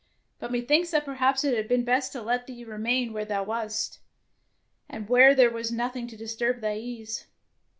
But methinks that perhaps it had been best to let thee remain where thou wast, and where there was noth ing to disturb thy ease.